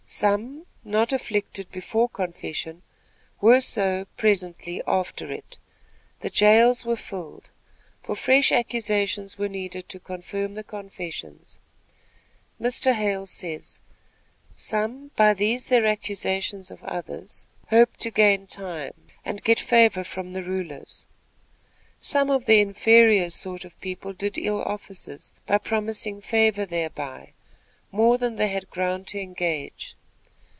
Some, not afflicted before confession, were so, presently, after it. The jails were filled; for fresh accusations were needed to confirm the confessions. Mr. Hale says: "Some, by these their accusations of others, hoped to gain time, and get favor from the rulers. Some of the inferior sort of people did ill offices, by promising favor thereby, more than they had ground to engage.